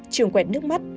trường quẹt nước mắt